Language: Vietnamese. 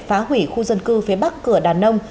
phá hủy khu dân cư phía bắc cửa đàn nông